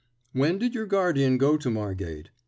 "When did your guardian go to Margate?"